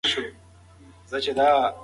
تاسو کولای شئ چې د رخصتۍ پر مهال سفر وکړئ.